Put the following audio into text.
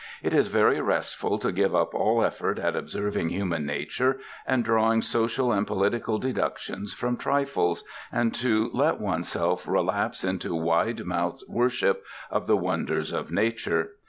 It is very restful to give up all effort at observing human nature and drawing social and political deductions from trifles, and to let oneself relapse into wide mouthed worship of the wonders of nature.